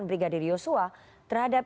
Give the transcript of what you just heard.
brigadir yosua terhadap